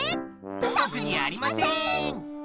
とくにありません！